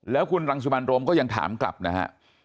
แล้วคุณรังสิมันโรมก็ยังถามกลับนะฮะ